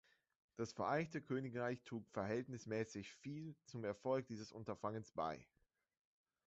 Das Vereinigte Königreich trug verhältnismäßig viel zum Erfolg dieses Unterfangens bei.